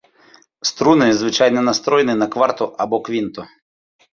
Струны звычайна настроены на кварту або квінту.